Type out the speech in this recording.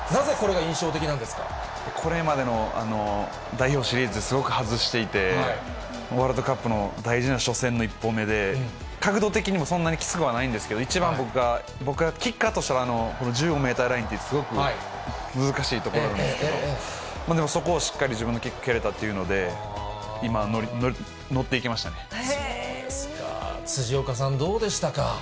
これまでの代表シリーズ、すごく外していて、ワールドカップの大事な初戦の１本目で、角度的にもそんなにきつくはないんですけど、一番僕が、僕がキッカーとしたら、この１５メーターラインってすごく難しいところなんですけど、でもそこをしっかり自分のキックを蹴れたっていうので、今、辻岡さん、どうでしたか？